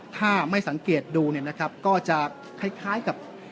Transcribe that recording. ถ้าไม่สังเกตดูเนี่ยนะครับก็จะคล้ายกับ